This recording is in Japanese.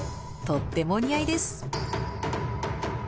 とってもお似合いです！